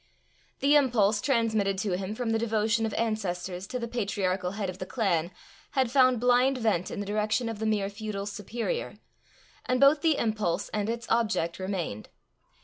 The impulse transmitted to him from the devotion of ancestors to the patriarchal head of the clan, had found blind vent in the direction of the mere feudal superior, and both the impulse and its object remained.